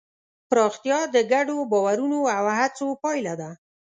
پراختیا د ګډو باورونو او هڅو پایله ده.